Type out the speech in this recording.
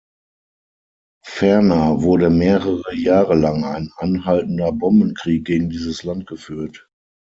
Ferner wurde mehrere Jahre lang ein anhaltender Bombenkrieg gegen dieses Land geführt.